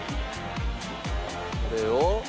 これを。